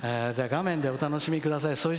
画面でお楽しみください。